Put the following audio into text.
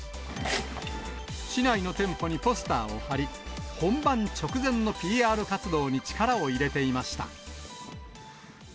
市内の店舗にポスターを貼り、本番直前のＰＲ活動に力を入れていました。